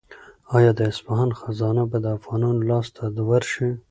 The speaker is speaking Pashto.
آیا د اصفهان خزانه به د افغانانو لاس ته ورشي؟